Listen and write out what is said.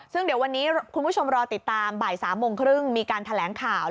ซึ่งเดี๋ยววันนี้คุณผู้ชมรอติดตามบ่าย๓โมงครึ่งมีการแถลงข่าว